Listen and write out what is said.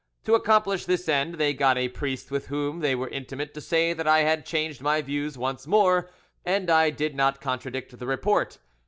To accomplish this end they got a priest with whom they were intimate to say that I had changed my views once more, and I did not contradict the report.